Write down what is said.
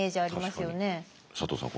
佐藤さん